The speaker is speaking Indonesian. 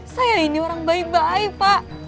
saya ini orang baik baik pak